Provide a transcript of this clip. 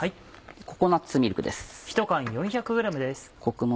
ココナッツミルクです。